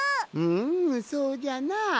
んそうじゃなあ。